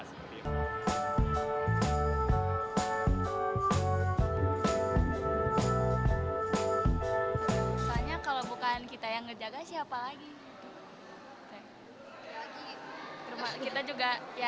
sebenarnya kalau bukan kita yang menjaga siapa lagi